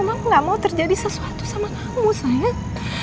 emang gak mau terjadi sesuatu sama kamu sayang